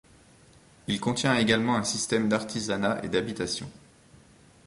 Il contient également un système d'artisanat et d'habitations.